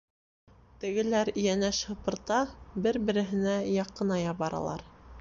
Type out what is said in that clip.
— Тегеләр йәнәш һыпырта, бер-береһенә яҡыная баралар.